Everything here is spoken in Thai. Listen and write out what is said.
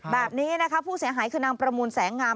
แบบนี้นะคะผู้เสียหายคือนางประมูลแสงงาม